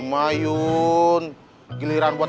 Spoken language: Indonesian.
nah waktu ni nanti tak bisa